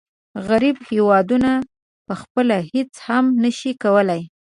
غریب هېوادونه پخپله هیڅ هم نشي کولای.